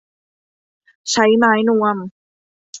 ใช้ไม้นวม